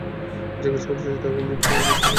যে কাজ করেছিস, তাতে মৃত্যুই তোর প্রাপ্য!